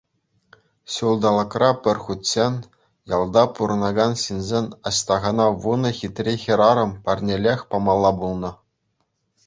Ҫулталӑкра пӗр хутчен ялта пурӑнакан ҫынсен Аҫтахана вунӑ хитре хӗрарӑм парнелӗх памалла пулнӑ.